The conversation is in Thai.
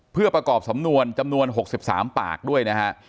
เพื่อประกอบสำนวนจำนวน๖๓ปากด้วยนะฮะ